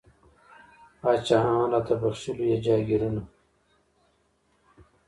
پاچاهان را ته بخښي لوی جاګیرونه